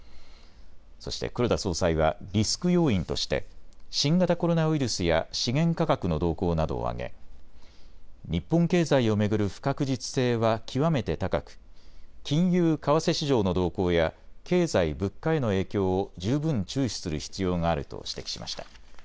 そして黒田総裁はリスク要因として新型コロナウイルスや資源価格の動向などを挙げ日本経済を巡る不確実性は極めて高く、金融・為替市場の動向や経済・物価への影響を十分注視する必要があると指摘しました。